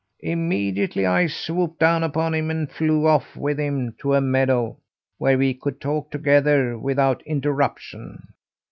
"Immediately I swooped down upon him and flew off with him to a meadow where we could talk together without interruption.